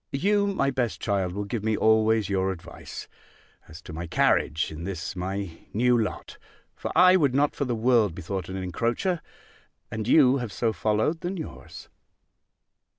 You, my best child, will give me always your advice, as to my carriage in this my new lot; for I would not for the world be thought an encroacher. And you have so followed than yours.